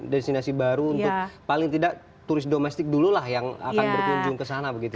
destinasi baru untuk paling tidak turis domestik dulu lah yang akan berkunjung ke sana begitu